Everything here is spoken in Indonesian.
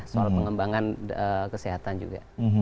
soal pengembangan kesehatan juga